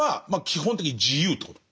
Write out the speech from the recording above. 基本的に自由ってこと？